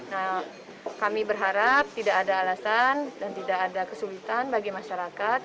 nah kami berharap tidak ada alasan dan tidak ada kesulitan bagi masyarakat